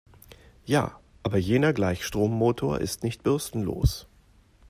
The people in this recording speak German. Ja, aber jener Gleichstrommotor ist nicht bürstenlos.